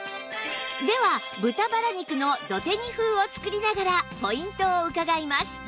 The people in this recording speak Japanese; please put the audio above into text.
では豚バラ肉の土手煮風を作りながらポイントを伺います